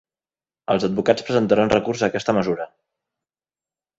Els advocats presentaran recurs a aquesta mesura